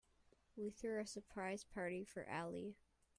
We threw a surprise birthday party for Ali.